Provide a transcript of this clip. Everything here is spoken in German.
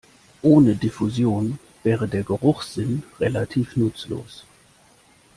Ohne Diffusion wäre der Geruchssinn relativ nutzlos.